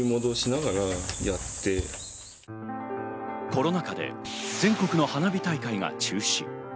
コロナ禍で全国の花火大会が中止。